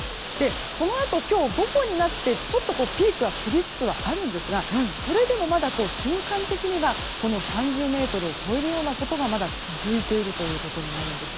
そのあと、今日午後になってピークは過ぎつつあるんですがそれでもまだ瞬間的に３０メートルを超えるようなことがまだ続いているということになります。